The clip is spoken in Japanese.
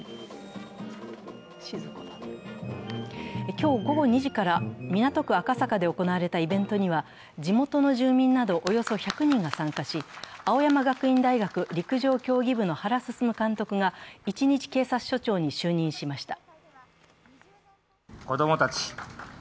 今日午後２時から港区赤坂で行われたイベントには地元の住民などおよそ１００人が参加し青山学院大学陸上競技部の原晋監督が一日署長に就任しました。